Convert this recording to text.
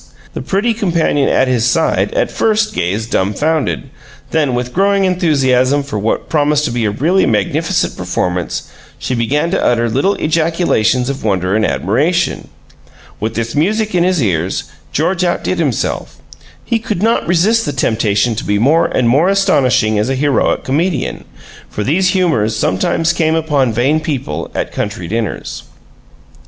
The pretty companion at his side at first gazed dumfounded; then, with growing enthusiasm for what promised to be a really magnificent performance, she began to utter little ejaculations of wonder and admiration. With this music in his ears, George outdid himself. He could not resist the temptation to be more and more astonishing as a heroic comedian, for these humors sometimes come upon vain people at country dinners.